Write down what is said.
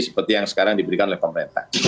seperti yang sekarang diberikan oleh pemerintah